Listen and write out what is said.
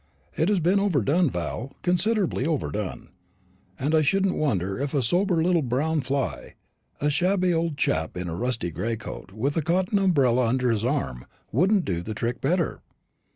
It has been overdone, Val, considerably overdone; and I shouldn't wonder if a sober little brown fly a shabby old chap in a rusty greatcoat, with a cotton umbrella under his arm wouldn't do the trick better.